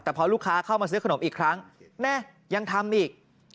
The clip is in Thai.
แต่พอลูกค้าเข้ามาซื้อขนมอีกครั้งแม่ยังทำอีก